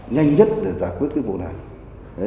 nhanh nhất để giải quyết cái vụ này